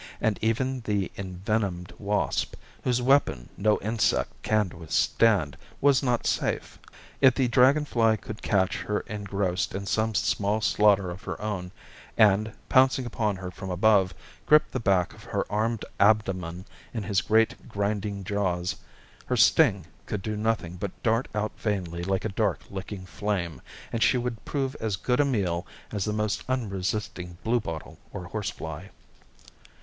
And even the envenomed wasp, whose weapon no insect can withstand, was not safe. If the dragon fly could catch her engrossed in some small slaughter of her own, and, pouncing upon her from above, grip the back of her armed abdomen in his great grinding jaws, her sting could do nothing but dart out vainly like a dark, licking flame; and she would prove as good a meal as the most unresisting bluebottle or horse fly.